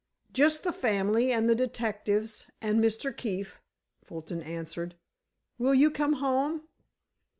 "Just the family, and the detectives and Mr. Keefe," Fulton answered. "Will you come home?"